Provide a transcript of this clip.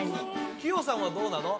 妃代さんはどうなの？